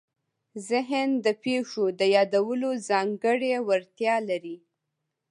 ذهن د پېښو د یادولو ځانګړې وړتیا لري.